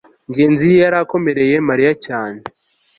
ngenzi yari akomereye mariya cyane